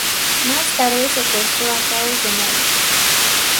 Más tarde secuestró a Kaos de nuevo.